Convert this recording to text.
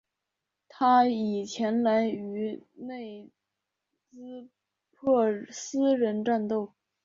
他已前来与内兹珀斯人战斗。